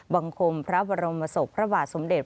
บังคมพระบรมศพพระบาทสมเด็จ